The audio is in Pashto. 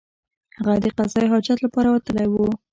هغه د قضای حاجت لپاره وتلی وو.